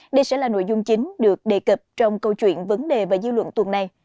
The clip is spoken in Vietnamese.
đây sẽ là nội dung chính được đề cập trong câu chuyện vấn đề và dư luận tuần này